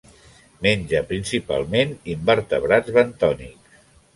Menja principalment invertebrats bentònics.